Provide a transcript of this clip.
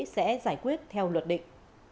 sẽ giải quyết theo luật định